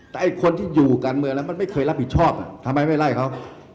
แต่ไอ้คนที่อยู่การเมืองแล้วมันไม่เคยรับผิดชอบทำไมไม่ไล่เขา